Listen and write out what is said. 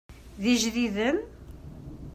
D ijdiden?